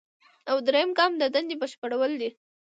او دریم ګام د دندې بشپړول دي.